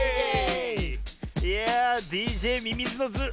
いやあＤＪミミズのズー